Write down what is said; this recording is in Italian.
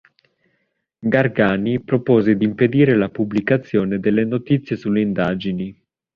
Gargani propose di impedire la pubblicazione delle notizie sulle indagini.